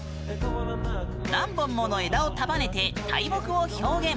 何本もの枝を束ねて大木を表現。